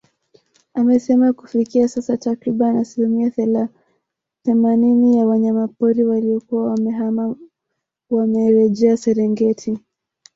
Amesema kufikia sasa takriban asilimia themanini ya wanyama pori waliokuwa wamehama wamerejea Serengeti